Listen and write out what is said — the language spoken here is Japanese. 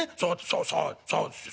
そうそうそうですよ